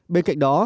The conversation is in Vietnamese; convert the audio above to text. bên cạnh đó